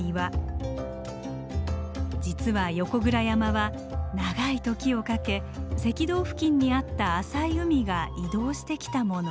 実は横倉山は長い時をかけ赤道付近にあった浅い海が移動してきたもの。